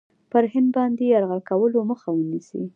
پر هند باندي یرغل کولو مخه ونیسي.